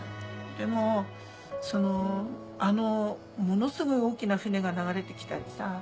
でもそのあのものすごい大きな船が流れてきたりさ。